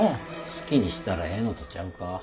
好きにしたらええのとちゃうか。